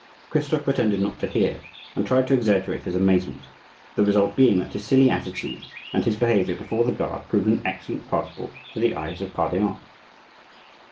Christophe pretended not to hear, and tried to exaggerate his amazement, the result being that his silly attitude and his behavior before the guard proved an excellent passport to the eyes of Pardaillan.